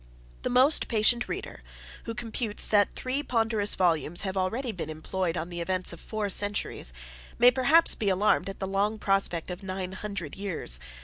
The most patient Reader, who computes that three ponderous 3 volumes have been already employed on the events of four centuries, may, perhaps, be alarmed at the long prospect of nine hundred years.